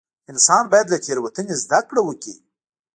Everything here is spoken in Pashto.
انسان باید له تېروتنې زده کړه وکړي.